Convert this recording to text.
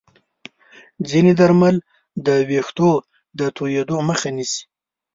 ځینې درمل د ویښتو د توییدو مخه نیسي.